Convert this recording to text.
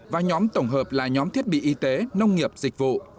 và nhóm tổng hợp là nhóm thiết bị y tế nông nghiệp dịch vụ